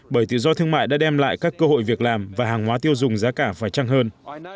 bởi tự do thương mại đã đem lại các cơ hội việc làm và hàng hóa tiêu dùng giá cả phải trăng hơn